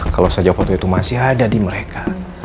kalau saja foto itu masih ada di mereka